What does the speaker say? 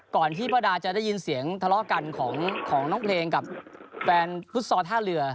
ที่ป้าดาจะได้ยินเสียงทะเลาะกันของน้องเพลงกับแฟนฟุตซอลท่าเรือ